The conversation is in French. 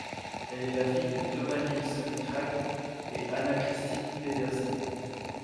Elle est la fille de Thomas Nielsen Kragh et Anna Kristine Pedersen.